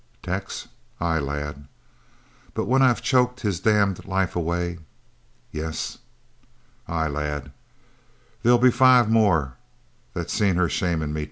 "Tex!" "Ay, lad." "But when I've choked his damned life away " "Yes?" "Ay, lad." "There'll be five more that seen her shamin' me.